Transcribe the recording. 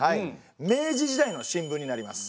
明治時代の新聞になります。